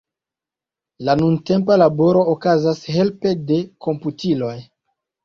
La nuntempa laboro okazas helpe de komputiloj.